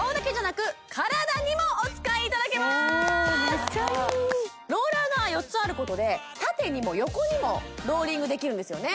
めっちゃいいローラーが４つあることで縦にも横にもローリングできるんですよね